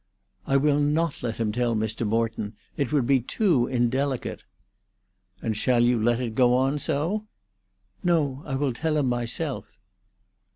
"I will not let him tell Mr. Morton. It would be too indelicate." "And shall you let it go on so?" "No. I will tell him myself."